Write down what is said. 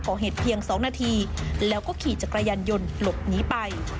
ก่อเหตุเพียง๒นาทีแล้วก็ขี่จักรยานยนต์หลบหนีไป